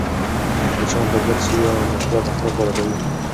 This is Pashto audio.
بچيان تربیت سوي او مثبت اخلاق غوره کوي.